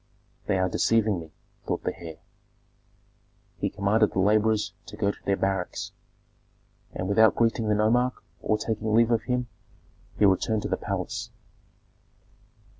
"They are deceiving me," thought the heir. He commanded the laborers to go to their barracks, and, without greeting the nomarch or taking leave of him, he returned to the palace.